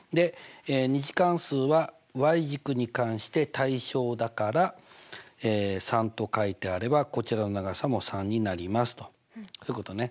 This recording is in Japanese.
２次関数は軸に関して対称だから３と書いてあればこちらの長さも３になりますとそういうことね。